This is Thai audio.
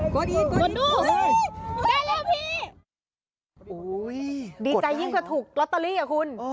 กดดูเฮ้ยได้แล้วพี่โอ้ยดีใจยิ่งกระถุกลอตเตอรี่เหรอคุณ